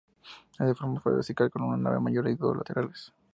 Es de forma basilical, con una nave mayor y dos laterales.